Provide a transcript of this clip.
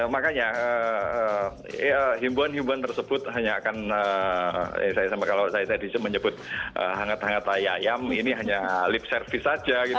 makanya himbuan himbuan tersebut hanya akan kalau saya tadi menyebut hangat hangat ayam ini hanya lip service saja gitu